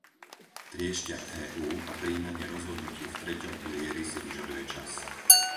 Trieštia EÚ a prijímanie rozhodnutí v treťom pilieri si vyžaduje čas.